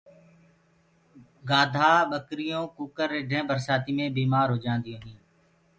گآڌآ ٻڪرِيونٚ ڪوڪرِ رِڍينٚ برسآتيٚ مي بيٚمآر هونٚديو هينٚ